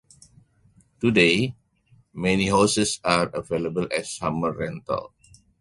Today, many houses are available as summer rentals.